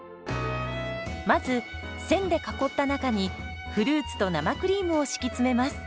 まず線で囲った中にフルーツと生クリームを敷き詰めます。